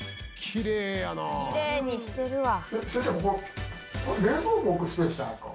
「きれいにしてるわ」